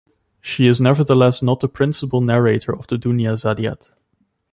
She is nevertheless not the principal narrator of the Dunyazadiad.